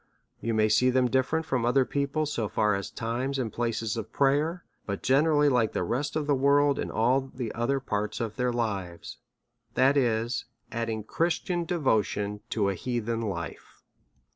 You may see tliem dittcrent from other people so far as to times and places of prayer, but generally like the rest of the world in all the other parts of their lives ; that is, adding" Christian devotion to an heathen life.